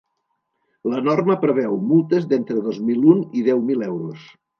La norma preveu multes d’entre dos mil un i deu mil euros.